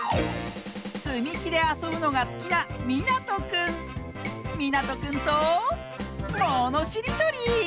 つみきであそぶのがすきなみなとくんとものしりとり！